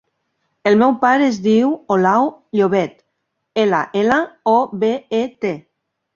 El meu pare es diu Olau Llobet: ela, ela, o, be, e, te.